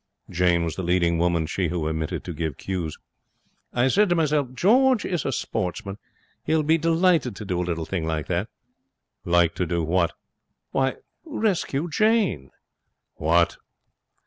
Jane was the leading woman, she who omitted to give cues. 'I said to myself, "George is a sportsman. He will be delighted to do a little thing like that".' 'Like to do what?' 'Why, rescue Jane.' 'What!'